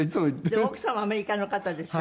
でも奥様はアメリカの方でしょ？